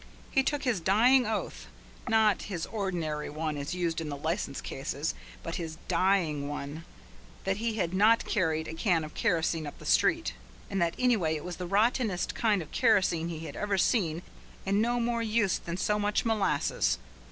He took his dying oath, not his ordinary one as used in the License cases, but his dying one, that he had not carried a can of kerosene up the street, and that anyway it was the rottenest kind of kerosene he had ever seen and no more use than so much molasses.